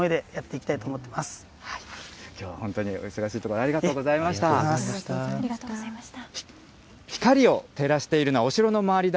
きょうは本当にお忙しいところ、ありがとうございました。